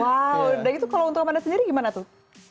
wow dan itu kalau untuk anda sendiri gimana tuh